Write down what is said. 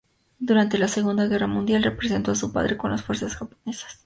Durante la Segunda Guerra mundial, representó a su padre con las fuerzas japonesas.